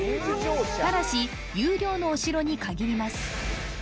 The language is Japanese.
ただし有料のお城に限ります